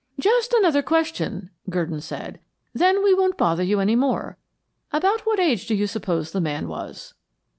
"Just another question," Gurdon said. "Then we won't bother you any more. About what age do you suppose the man was?"